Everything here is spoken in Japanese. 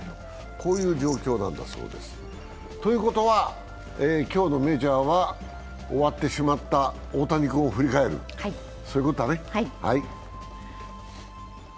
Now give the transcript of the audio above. こういう状況なんだそうです。ということは、今日のメジャーは終わってしまった大谷君を振り返る、そういうことだね。